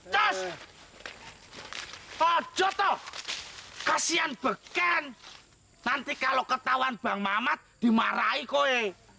coos coos toh kasian beken nanti kalau ketahuan bang mamat dimarahi kowe